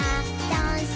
ダンス！